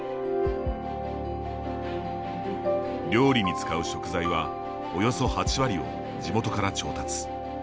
料理に使う食材はおよそ８割を地元から調達。